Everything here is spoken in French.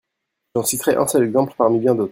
J’en citerai un seul exemple, parmi bien d’autres.